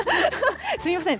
すみません。